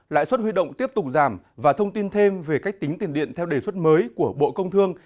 lãi suất huy động tiếp tục giảm và thông tin thêm về cách tính tiền điện theo đề xuất mới của bộ công thương